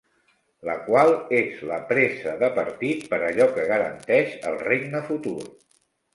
La qual és la presa de partit per allò que garanteix el regne futur.